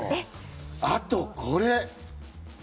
あと、これ。